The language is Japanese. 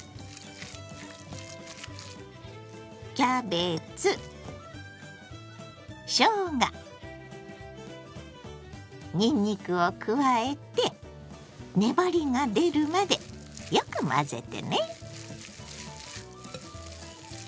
キャベツしょうがにんにくを加えて粘りが出るまでよく混ぜてね。